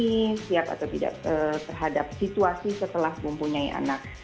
tidak pada kehamilan ini siap atau tidak terhadap situasi setelah mempunyai anak